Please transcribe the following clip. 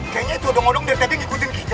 kayanya itu odong odong dari tadi ngikutin kita